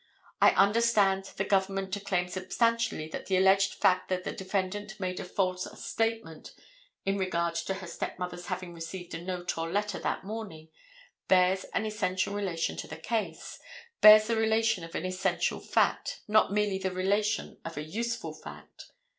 I understand the government to claim substantially that the alleged fact that the defendant made a false statement in regard to her stepmother's having received a note or letter that morning bears an essential relation to the case, bears the relation of an essential fact, not merely the relation of a useful fact.